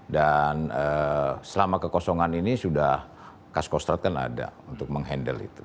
dan selama kekosongan ini sudah kaskostrat kan ada untuk menghandle itu